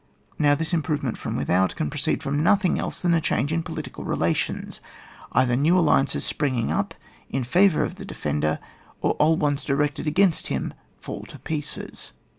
Now, this improvement from without can proceed from nothing else than a change in political relations; either netr alliances spring up in favour CHAP, vin.] LIMITED aBJECT—DEFEHrCE, 73 of the defender, or old ones directed against him fall to pieces.